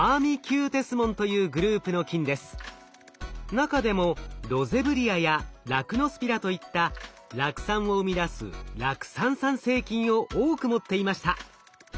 中でもロゼブリアやラクノスピラといった酪酸を生み出す酪酸産生菌を多く持っていました。